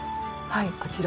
あちら？